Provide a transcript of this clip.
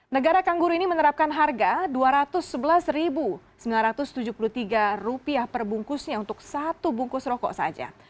negara kangguru ini menerapkan harga rp dua ratus sebelas sembilan ratus tujuh puluh tiga perbungkusnya untuk satu bungkus rokok saja